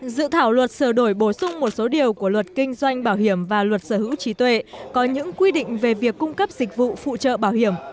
dự thảo luật sửa đổi bổ sung một số điều của luật kinh doanh bảo hiểm và luật sở hữu trí tuệ có những quy định về việc cung cấp dịch vụ phụ trợ bảo hiểm